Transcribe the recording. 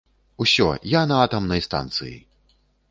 Усё, я на атамнай станцыі!